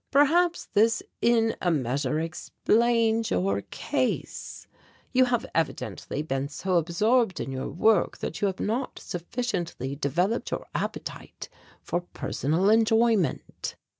"Perhaps this in a measure explains your case. You have evidently been so absorbed in your work that you have not sufficiently developed your appetite for personal enjoyment."